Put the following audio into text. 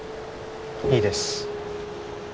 いいです